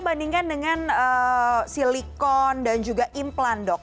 bandingkan dengan silikon dan juga implan dok